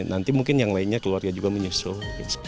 nanti mungkin yang lainnya keluarga juga menyusul